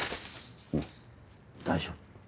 うん大丈夫。